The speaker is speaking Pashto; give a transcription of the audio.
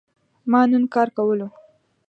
ما نن کار کولو